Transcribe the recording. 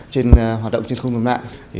trên hoạt động trên không gồm lại